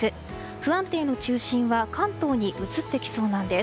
不安定の中心は関東に移ってきそうなんです。